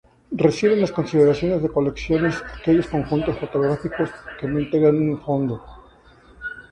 Reciben la consideración de colecciones aquellos conjuntos fotográficos que no integran un fondo.